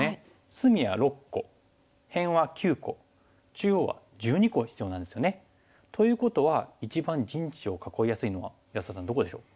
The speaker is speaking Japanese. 隅は６個辺は９個中央は１２個必要なんですよね。ということは一番陣地を囲いやすいのは安田さんどこでしょう？